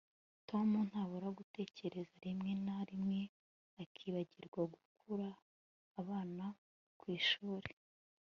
Tom ntabura gutekerezarimwe na rimwe akibagirwa gukura abana ku ishuri